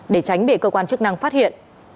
để tránh bị cơ quan chức năng phát hiện